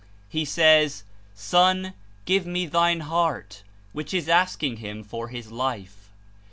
He says, "Son, give me thine heart," which Is asking him for his life.